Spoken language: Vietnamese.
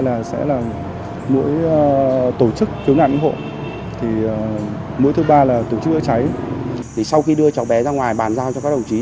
là sẽ là mũi tổ chức